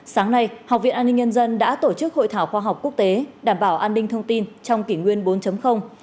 sáng nay học viện an ninh nhân dân đã tổ chức hội thảo khoa học quốc tế đảm bảo an ninh thông tin trong kỷ nguyên bốn